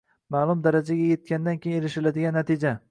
ma’lum darajaga yetgandan keyin erishiladigan natija.